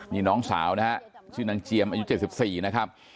นี่น้องสาวนะฮะชื่อนางเจียมอายุ๗๔นะครับ